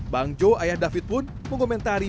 bang joe ayah david pun mengomentari